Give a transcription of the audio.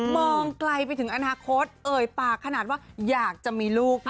มองไกลไปถึงอนาคตเอ่ยปากขนาดว่าอยากจะมีลูก